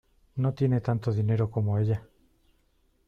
No tiene tanto dinero como ella.